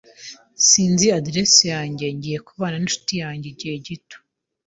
Sinzi adresse yanjye, ngiye kubana ninshuti yanjye igihe gito.